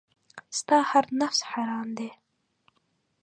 ستا هر نفس حرام دی .